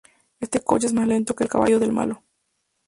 Este coche es más lento que el caballo del malo